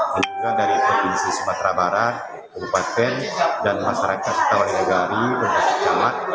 dan juga dari provinsi sumatera barat kabupaten dan masyarakat setauan negara